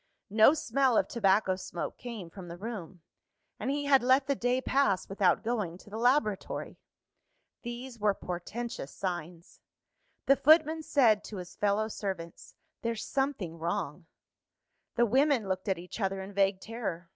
No smell of tobacco smoke came from the room; and he had let the day pass without going to the laboratory. These were portentous signs. The footman said to his fellow servants, "There's something wrong." The women looked at each other in vague terror.